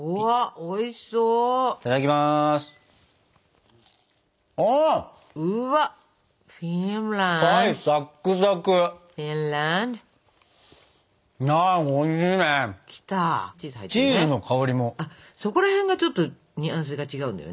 おいしそうだよ。